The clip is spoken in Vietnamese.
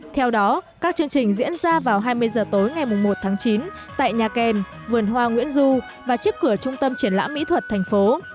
theo đó các chương trình diễn ra vào hai mươi h tối ngày một tháng chín tại nhà kèn vườn hoa nguyễn du và trước cửa trung tâm triển lãm mỹ thuật thành phố